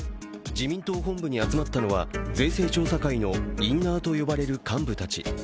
自民党本部に集まったのは税制調査会のインナーと呼ばれる幹部たち。